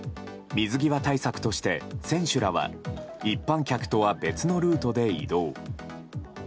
水際対策として、選手らは一般客とは別のルートで移動。